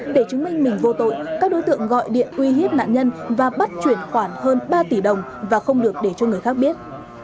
để chứng minh mình vô tội các đối tượng gọi điện uy hiếp nạn nhân và bắt chuyển khoản hơn ba tỷ đồng và không được để cho người khác biết